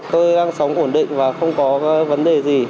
tôi đang sống ổn định và không có vấn đề gì